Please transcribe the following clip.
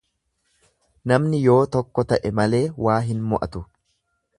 Namni yoo tokko ta'e malee waa hin mo'atu.